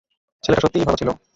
ছেলেটা সত্যিই ভালো ছিল।